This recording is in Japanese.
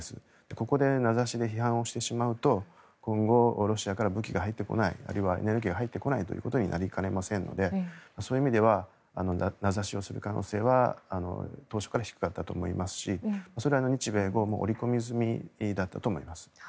ここで名指しで批判してしまうと今後、ロシアから武器が入ってこないあるいはエネルギーが入ってこないことになりかねませんのでそういう意味では名指しをする可能性は当初から低かったと思いますしそれは日米豪も織り込み済みだったと思います。